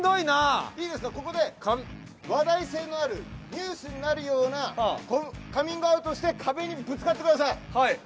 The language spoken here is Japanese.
ここで話題性のあるニュースになるようなカミングアウトをして壁にぶつかってください。